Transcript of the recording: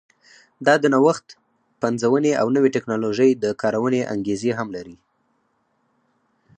دا د نوښت، پنځونې او نوې ټکنالوژۍ د کارونې انګېزې هم لري.